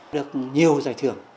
được nhiều giải thưởng